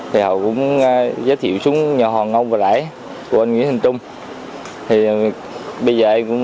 thì họ cũng giới thiệu xuống nhà hoàng ông và đại của anh nguyễn thành trung thì bây giờ em cũng